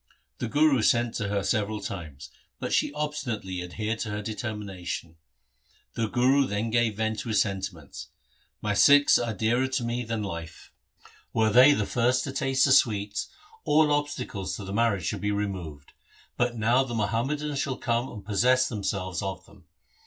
The Guru sent to her several times, but she obstinately adhered to her determination. The Guru then gave vent to his sentiments —' My Sikhs are dearer to me than LIFE OF GURU HAR GOBIND 79 life. Were they the first to taste the sweets, all obstacles to the marriage should be removed, but now the Muhammadans shall come and possess themse ves of them.